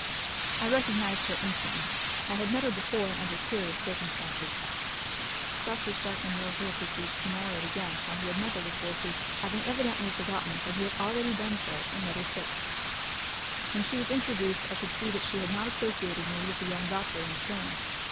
I recognised her instantly. I had met her before and under curious circumstances. (Dr. Stark Munro here proceeds to narrate again how he had met the La Forces, having evidently forgotten that he had already done so in Letter VI.) When she was introduced I could see that she had not associated me with the young doctor in the train.